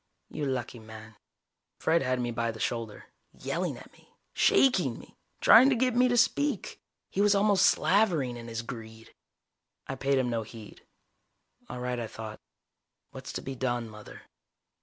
You lucky man._ Fred had me by the shoulder, yelling at me, shaking me, trying to get me to speak. He was almost slavering in his greed. I paid him no heed. All right, I thought. _What's to be done, Mother?